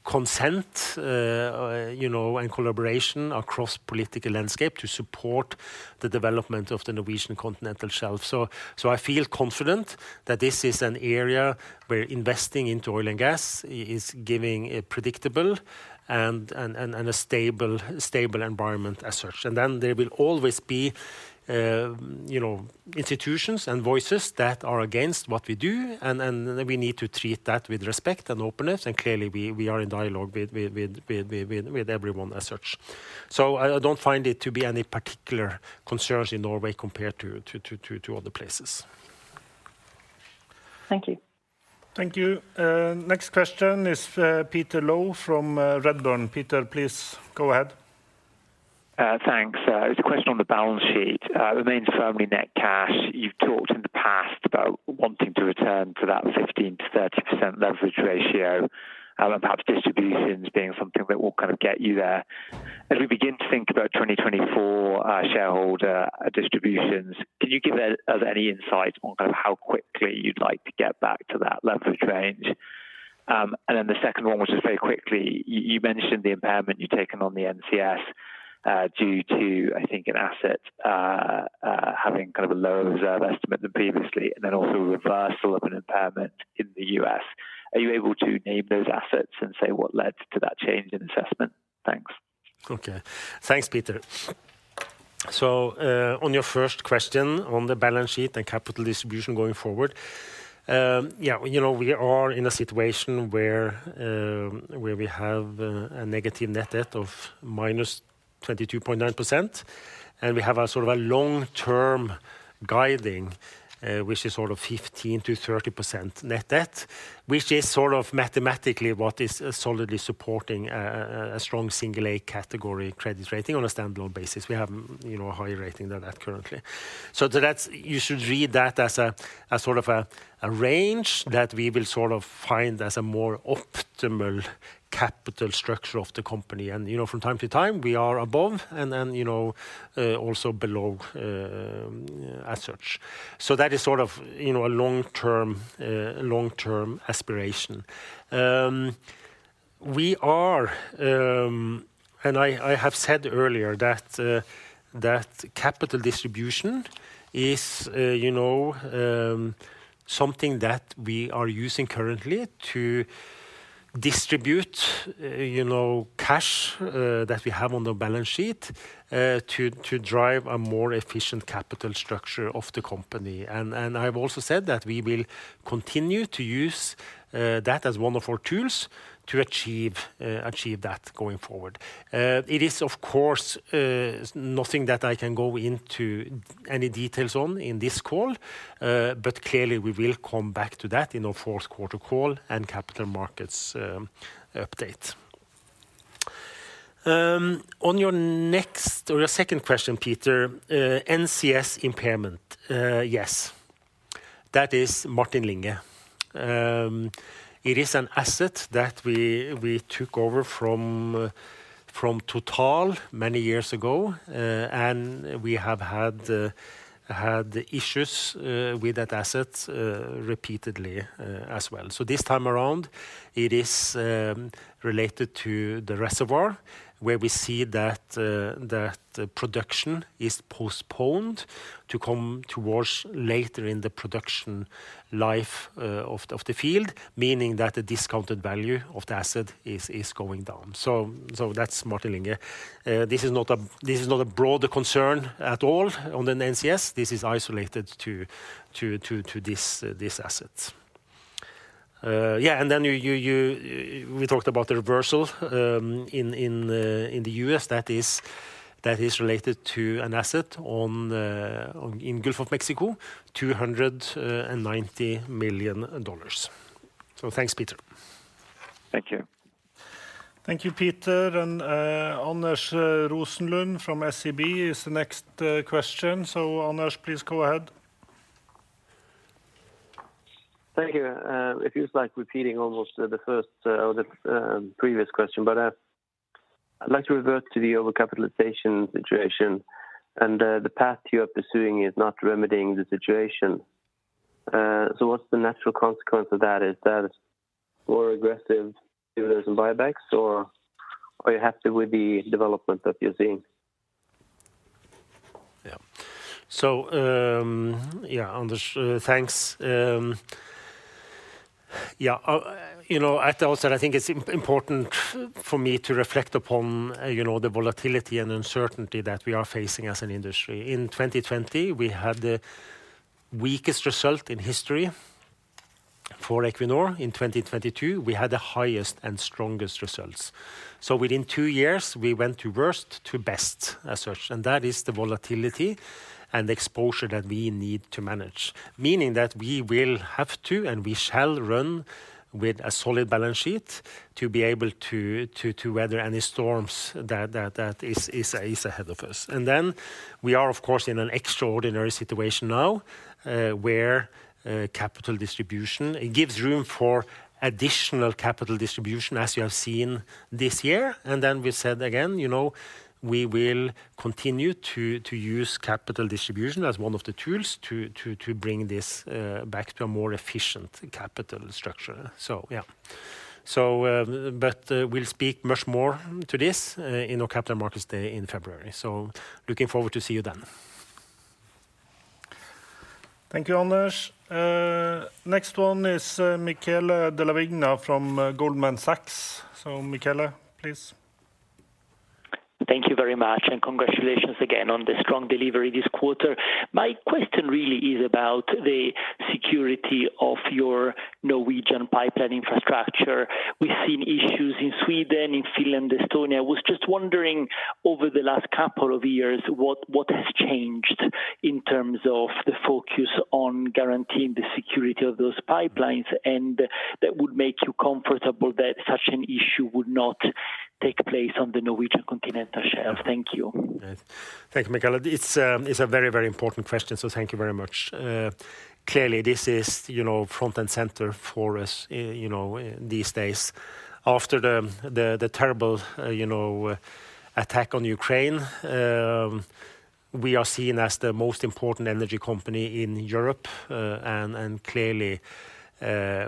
consensus, you know, and collaboration across political landscape to support the development of the Norwegian Continental Shelf. So I feel confident that this is an area where investing into oil and gas is giving a predictable and a stable environment as such. And then there will always be, you know, institutions and voices that are against what we do, and then we need to treat that with respect and openness, and clearly, we are in dialogue with everyone as such. So I don't find it to be any particular concerns in Norway compared to other places. Thank you. Thank you. Next question is, Peter Low from Redburn. Peter, please go ahead. Thanks. It's a question on the balance sheet. Remains firmly net cash. You've talked in the past about wanting to return to that 15%-30% leverage ratio, and perhaps distributions being something that will kind of get you there. As we begin to think about 2024, shareholder distributions, can you give us any insight on kind of how quickly you'd like to get back to that level of range? And then the second one, which is very quickly, you mentioned the impairment you've taken on the NCS, due to, I think, an asset having kind of a low reserve estimate than previously, and then also a reversal of an impairment in the U.S. Are you able to name those assets and say what led to that change in assessment? Thanks. Okay. Thanks, Peter. So, on your first question on the balance sheet and capital distribution going forward, yeah, you know, we are in a situation where, where we have a negative net debt of -22.9%, and we have a sort of a long-term guiding, which is sort of 15%-30% net debt, which is sort of mathematically what is solidly supporting a strong single A category credit rating on a standalone basis. We have, you know, a higher rating than that currently. So that's. You should read that as a sort of a range that we will sort of find as a more optimal capital structure of the company. And, you know, from time to time, we are above, and then, you know, also below, as such. So that is sort of, you know, a long-term, long-term aspiration. We are... And I, I have said earlier that, that capital distribution is, you know, something that we are using currently to distribute, you know, cash, that we have on the balance sheet, to, to drive a more efficient capital structure of the company. And, and I've also said that we will continue to use, that as one of our tools to achieve, achieve that going forward. It is, of course, nothing that I can go into any details on in this call, but clearly, we will come back to that in our fourth quarter call and capital markets, update. On your next or your second question, Peter, NCS impairment. Yes, that is Martin Linge. It is an asset that we took over from Total many years ago, and we have had issues with that asset repeatedly as well. So this time around, it is related to the reservoir, where we see that the production is postponed to come towards later in the production life of the field, meaning that the discounted value of the asset is going down. So that's Martin Linge. This is not a broader concern at all on the NCS. This is isolated to this asset. Yeah, and then we talked about the reversal in the US that is related to an asset in Gulf of Mexico, $290 million. Thanks, Peter. Thank you. Thank you, Peter. And, Anders Rosenlund from SEB is the next question. So Anders, please go ahead. Thank you. It feels like repeating almost the first or the previous question, but I'd like to revert to the overcapitalization situation, and the path you are pursuing is not remedying the situation. So what's the natural consequence of that? Is that more aggressive dividends and buybacks, or are you happy with the development that you're seeing? Yeah. So, yeah, Anders, thanks. Yeah, you know, at the outset, I think it's important for me to reflect upon, you know, the volatility and uncertainty that we are facing as an industry. In 2020, we had the weakest result in history for Equinor. In 2022, we had the highest and strongest results. So within two years, we went to worst to best as such, and that is the volatility and exposure that we need to manage, meaning that we will have to, and we shall run with a solid balance sheet to be able to weather any storms that is ahead of us. And then we are, of course, in an extraordinary situation now, where capital distribution gives room for additional capital distribution, as you have seen this year. Then we said again, you know, we will continue to use capital distribution as one of the tools to bring this back to a more efficient capital structure. So yeah. So, but, we'll speak much more to this in our Capital Markets Day in February. So looking forward to see you then. Thank you, Anders. Next one is Michele Della Vigna from Goldman Sachs. So, Michele, please. Thank you very much, and congratulations again on the strong delivery this quarter. My question really is about the security of your Norwegian pipeline infrastructure. We've seen issues in Sweden, in Finland, Estonia. I was just wondering, over the last couple of years, what has changed in terms of the focus on guaranteeing the security of those pipelines, and that would make you comfortable that such an issue would not take place on the Norwegian Continental Shelf? Thank you. Thank you, Michele. It's, it's a very, very important question, so thank you very much. Clearly, this is, you know, front and center for us, you know, these days. After the terrible, you know, attack on Ukraine, we are seen as the most important energy company in Europe, and clearly,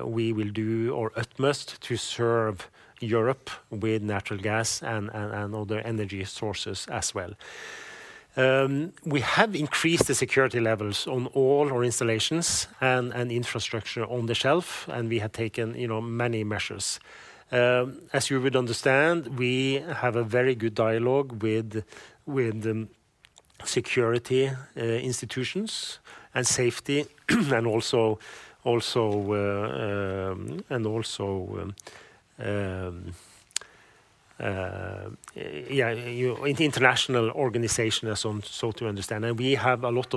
we will do our utmost to serve Europe with natural gas and other energy sources as well. We have increased the security levels on all our installations and infrastructure on the shelf, and we have taken, you know, many measures. As you would understand, we have a very good dialogue with the security institutions and safety and also international organizations so to understand. We have a lot of support from those institutions and also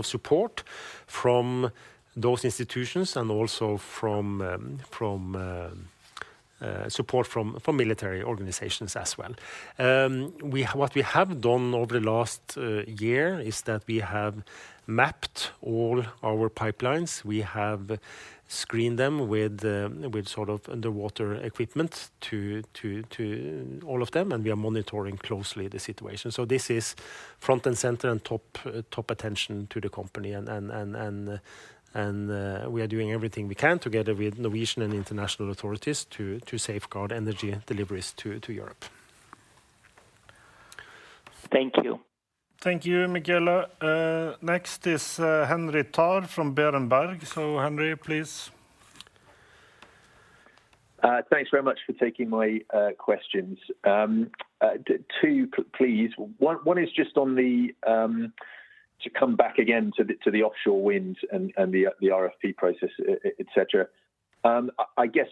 support from military organizations as well. What we have done over the last year is that we have mapped all our pipelines. We have screened them with sort of underwater equipment to all of them, and we are monitoring closely the situation. This is front and center and top, top attention to the company, and we are doing everything we can together with Norwegian and international authorities to safeguard energy deliveries to Europe. Thank you. Thank you, Michele. Next is Henry Tarr from Berenberg. Henri, please. Thanks very much for taking my questions. Two, please. One is just on the, to come back again to the offshore wind and the RFP process, et cetera. I guess,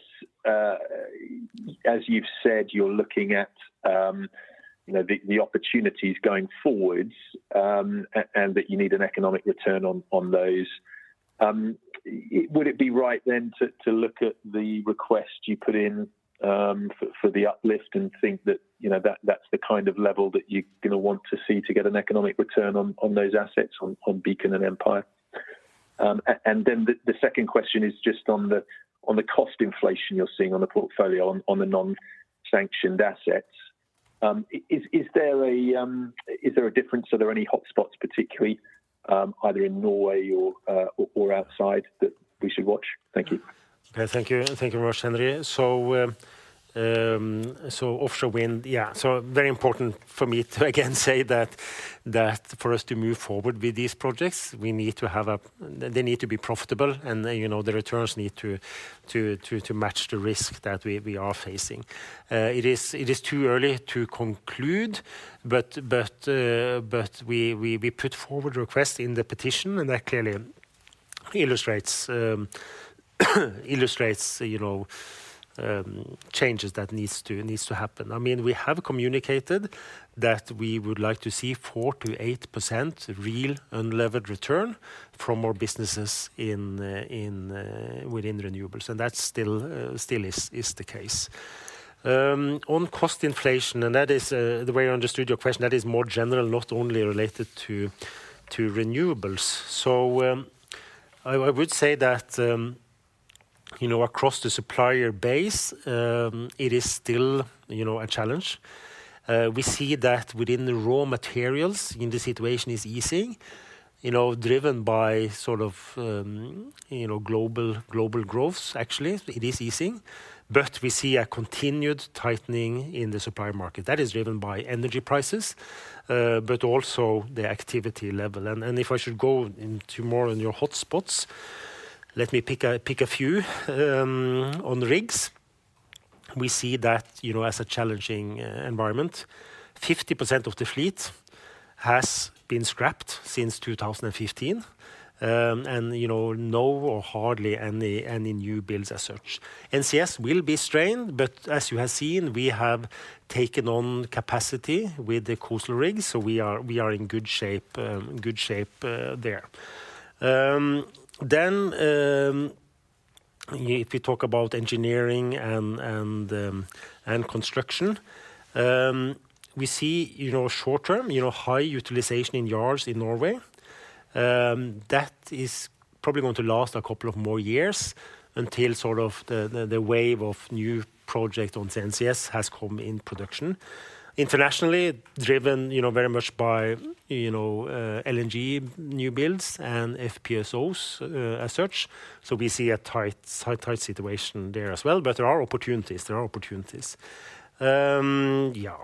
as you've said, you're looking at, you know, the opportunities going forwards, and that you need an economic return on those. Would it be right then to look at the request you put in, for the uplift and think that, you know, that's the kind of level that you're gonna want to see to get an economic return on those assets, on Beacon and Empire? And then the second question is just on the cost inflation you're seeing on the portfolio on the non-sanctioned assets. Is there a difference? Are there any hotspots particularly either in Norway or outside that we should watch? Thank you. Okay, thank you. Thank you very much, Henry. So, offshore wind, yeah, so very important for me to again say that, that for us to move forward with these projects, we need to have a- they need to be profitable, and then, you know, the returns need to match the risk that we are facing. It is too early to conclude, but we put forward requests in the petition, and that clearly illustrates, you know, changes that needs to happen. I mean, we have communicated that we would like to see 4%-8% real unlevered return from our businesses in, within renewables, and that still is the case. On cost inflation, and that is the way I understood your question, that is more general, not only related to renewables. So, I would say that, you know, across the supplier base, it is still, you know, a challenge. We see that within the raw materials, and the situation is easing, you know, driven by sort of, you know, global, global growth. Actually, it is easing, but we see a continued tightening in the supplier market. That is driven by energy prices, but also the activity level. And if I should go into more on your hotspots, let me pick a few. On the rigs, we see that, you know, as a challenging environment, 50% of the fleet has been scrapped since 2015. And, you know, no or hardly any new builds as such. NCS will be strained, but as you have seen, we have taken on capacity with the COSL rigs, so we are in good shape there. Then, if we talk about engineering and construction, we see, you know, short term, you know, high utilization in yards in Norway. That is probably going to last a couple of more years until sort of the wave of new project on the NCS has come in production. Internationally, driven, you know, very much by, you know, LNG new builds and FPSOs as such, so we see a tight situation there as well, but there are opportunities. Yeah.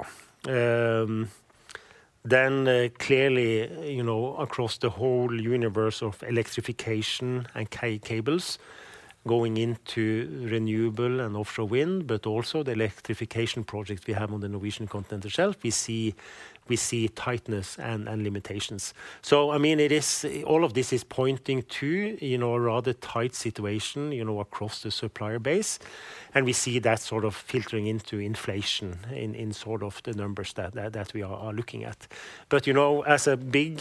Then, clearly, you know, across the whole universe of electrification and cables going into renewable and offshore wind, but also the electrification projects we have on the Norwegian Continental Shelf, we see tightness and limitations. So, I mean, it is all of this is pointing to, you know, a rather tight situation, you know, across the supplier base, and we see that sort of filtering into inflation in sort of the numbers that we are looking at. But, you know, as a big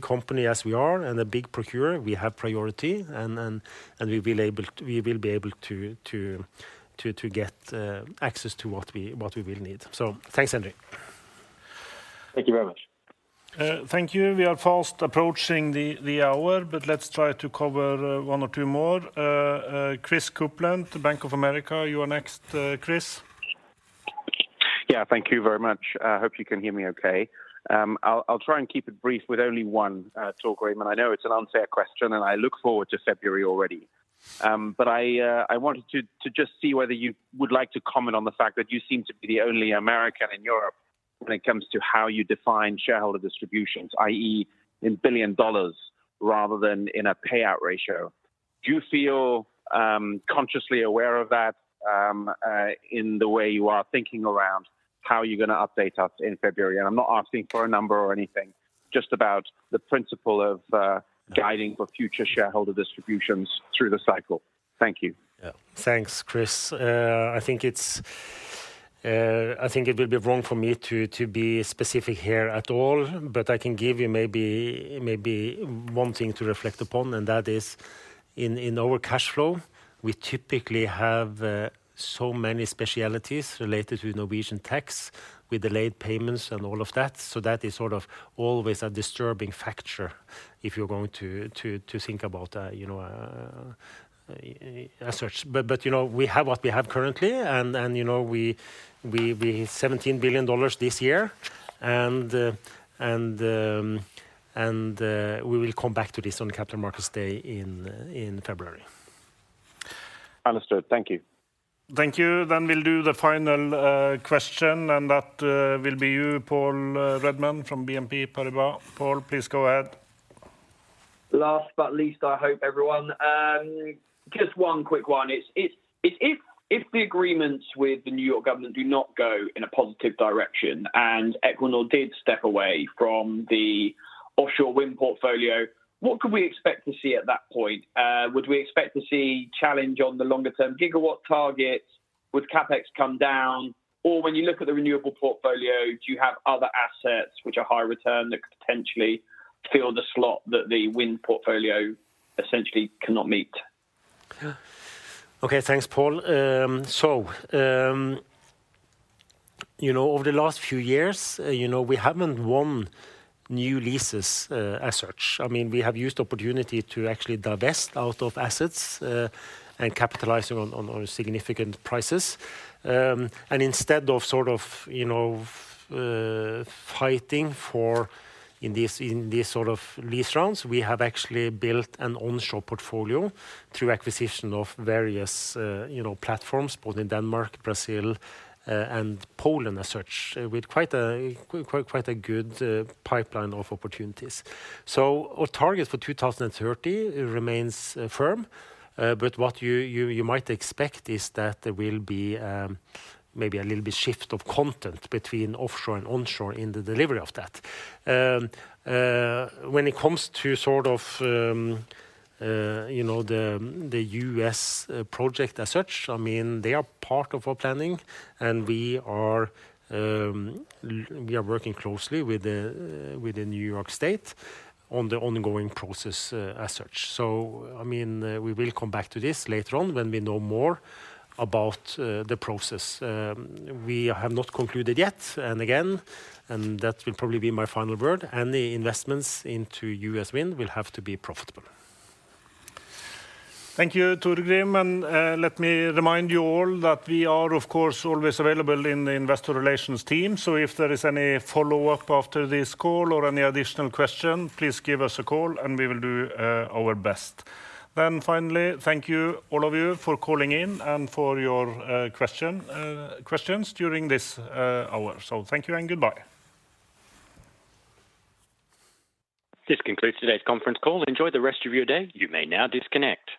company as we are and a big procurer, we have priority, and we will be able to get access to what we will need. So thanks, Henri. Thank you very much. Thank you. We are fast approaching the hour, but let's try to cover one or two more. Chris Kuplent, Bank of America, you are next, Chris. Yeah, thank you very much. I hope you can hear me okay. I'll, I'll try and keep it brief with only one talk, Raymond. I know it's an unfair question, and I look forward to February already. But I wanted to just see whether you would like to comment on the fact that you seem to be the only American in Europe when it comes to how you define shareholder distributions, i.e., in billion dollars, rather than in a payout ratio. Do you feel consciously aware of that in the way you are thinking around how you're gonna update us in February? And I'm not asking for a number or anything, just about the principle of guiding for future shareholder distributions through the cycle. Thank you. Yeah. Thanks, Chris. I think it's, I think it would be wrong for me to be specific here at all, but I can give you maybe one thing to reflect upon, and that is in our cash flow, we typically have so many specialties related to Norwegian tax with delayed payments and all of that. So that is sort of always a disturbing factor if you're going to think about, you know, as such. But you know, we have what we have currently, and you know, we $17 billion this year, and we will come back to this on the Capital Markets Day in February. Understood. Thank you. Thank you. Then we'll do the final question, and that will be you, Paul Redman from BNP Paribas. Paul, please go ahead. Last but not least, I hope, everyone. Just one quick one. It's if the agreements with the New York government do not go in a positive direction, and Equinor did step away from the offshore wind portfolio, what could we expect to see at that point? Would we expect to see challenge on the longer-term gigawatt targets? Would CapEx come down? Or when you look at the renewable portfolio, do you have other assets which are high return that could potentially fill the slot that the wind portfolio essentially cannot meet? Yeah. Okay, thanks, Paul. You know, over the last few years, you know, we haven't won new leases, as such. I mean, we have used opportunity to actually divest out of assets, and capitalizing on significant prices. And instead of sort of, you know, fighting for in these, in these sort of lease rounds, we have actually built an onshore portfolio through acquisition of various, you know, platforms, both in Denmark, Brazil, and Poland as such, with quite a good pipeline of opportunities. So our target for 2030 remains firm. But what you might expect is that there will be maybe a little bit shift of content between offshore and onshore in the delivery of that. When it comes to sort of, you know, the U.S. project as such, I mean, they are part of our planning, and we are working closely with the New York State on the ongoing process, as such. So, I mean, we will come back to this later on when we know more about the process. We have not concluded yet, and again, that will probably be my final word, any investments into U.S. wind will have to be profitable. Thank you, Torgrim. Let me remind you all that we are, of course, always available in the investor relations team. If there is any follow-up after this call or any additional question, please give us a call and we will do our best. Finally, thank you all of you for calling in and for your question, questions during this hour. Thank you and goodbye. This concludes today's conference call. Enjoy the rest of your day. You may now disconnect.